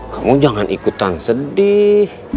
kamu jangan ikutan sedih